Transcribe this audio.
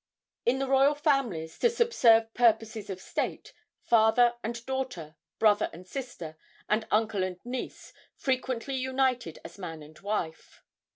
In the royal families, to subserve purposes of state, father and daughter, brother and sister, and uncle and niece frequently united as man and wife.